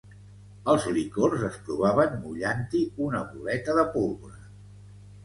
Els licors es provaven mullant-hi una boleta de pólvora.